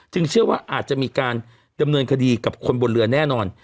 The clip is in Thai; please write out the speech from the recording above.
เชื่อว่าอาจจะมีการดำเนินคดีกับคนบนเรือแน่นอน